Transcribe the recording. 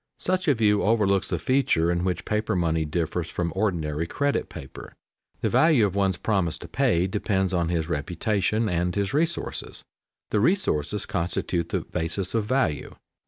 Such a view overlooks the feature in which paper money differs from ordinary credit paper. The value of one's promise to pay depends on his reputation and his resources; the resources constitute the basis of value.